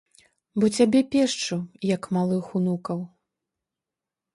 Бо цябе пешчу, як малых унукаў.